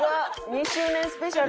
２周年スペシャル。